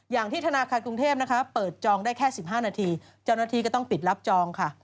อย่างที่ธนาคารกรุงเทพนะคะเปิดจองได้แค่๑๕นาทีเจ้าหน้าที่ก็ต้องปิดรับจองค่ะ